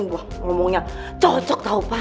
ngomongnya cocok tau pak